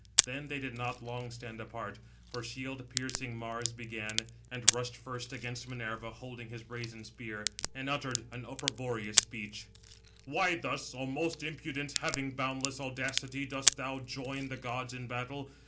Then they did not long stand apart; for shield piercing Mars began, and rushed first against Minerva, holding his brazen spear, and uttered an opprobrious speech: "Why thus, O most impudent, having boundless audacity, dost thou join the gods in battle?